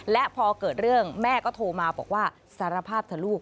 และพอเกิดเรื่องแม่ก็โทรมาบอกว่าสารภาพเถอะลูก